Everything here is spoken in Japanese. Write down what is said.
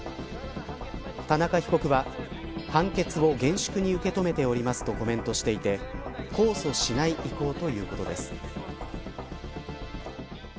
田中被告は判決を厳粛に受け止めておりますとコメントしていて控訴しない意向ということです。